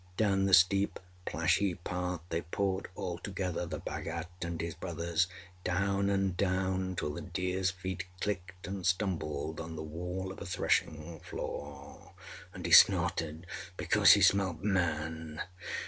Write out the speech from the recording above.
Down the steep, plashy path they poured all together, the Bhagat and his brothers, down and down till the deerâs feet clicked and stumbled on the wall of a threshing floor, and he snorted because he smelt Man.